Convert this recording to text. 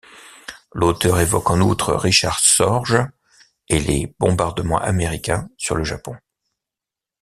L'auteur évoque en outre Richard Sorge et les bombardements américains sur le Japon.